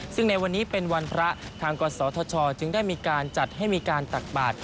ซึ่งในวันนี้เป็นวันพระทางกศธชจึงได้มีการจัดให้มีการตักบาท